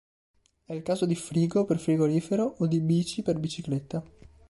È il caso di "frigo" per "frigorifero" o di "bici" per "bicicletta".